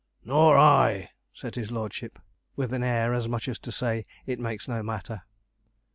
'Nor I,' said his lordship, with an air as much as to say, 'It makes no matter.'